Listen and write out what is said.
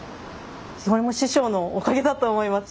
これも師匠のおかげだと思います。